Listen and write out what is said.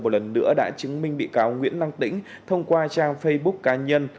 một lần nữa đã chứng minh bị cáo nguyễn lăng tĩnh thông qua trang facebook cá nhân